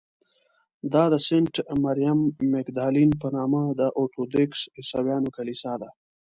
دا د سینټ مریم مګدالین په نامه د ارټوډکس عیسویانو کلیسا ده.